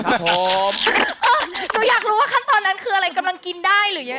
หนูอยากรู้ว่าขั้นตอนนั้นคืออะไรกำลังกินได้หรือยัง